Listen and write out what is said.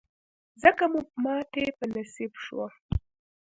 ځکه مو ماتې په نصیب شوه.